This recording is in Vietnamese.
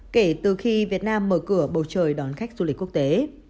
kể từ khi việt nam mở cửa bầu trời đón khách du lịch quốc tế